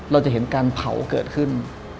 เราจะเห็นการเผาเกิดขึ้น